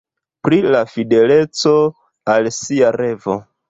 Pri la fideleco al sia revo.